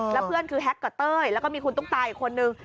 แล้วเพื่อนคือแฮ็กกับเต้ยแล้วก็มีคุณตุ๊กตาอีกคนนึง